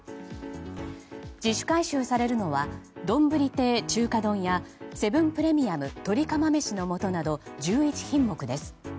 自主回収されるのはＤＯＮＢＵＲＩ亭中華丼やセブンプレミアム鶏釜めしの素など１１品目です。